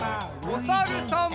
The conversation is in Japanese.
おさるさん。